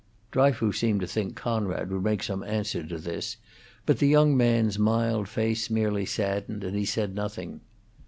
Dryfoos seemed to think Conrad would make some answer to this, but the young man's mild face merely saddened, and he said nothing.